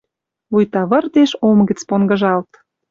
Вуйта выртеш ом гӹц понгыжалт